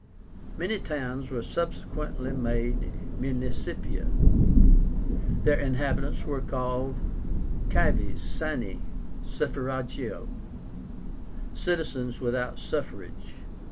Many towns were subsequently made MUNICIPIA. Their inhabitants were called CIVES SINE SUFFRAGIO, "citizens without suffrage."